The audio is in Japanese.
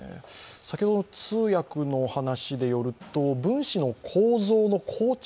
先ほどの通訳の話によると、分子の構造の構築